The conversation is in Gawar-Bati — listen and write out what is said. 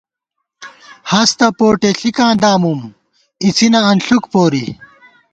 ہستہ پوٹے ݪِکاں دامُوم اِڅِنہ انݪُک پورِی